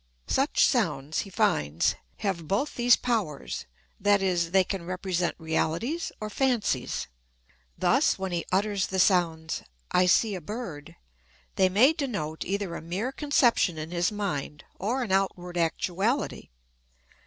Such sounds, he finds, have both these powers that is, they can represent realities or fancies. Thus, when he utters the sounds I see a bird, they may denote either a mere conception in his mind, or an outward actuality.